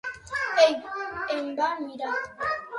Ell em va mirar.